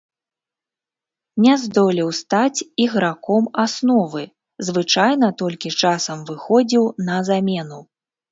Не здолеў стаць іграком асновы, звычайна толькі часам выхадзіў на замену.